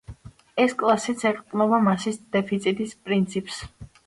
ეს კლასიც ეყრდნობა მასის დეფიციტის პრინციპს.